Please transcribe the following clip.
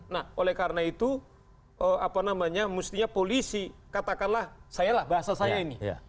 nah oleh karena itu apa namanya mestinya polisi katakanlah saya lah bahasa saya ini